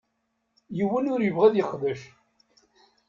Yiwen ur yebɣi ad yeqdec.